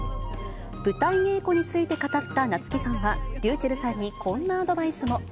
舞台稽古について語った夏木さんは、リュウチェルさんにこんなアドバイスも。